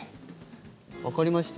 わかりました？